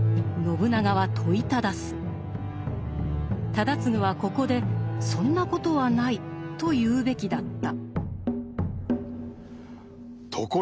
忠次はここで「そんなことはない」と言うべきだった。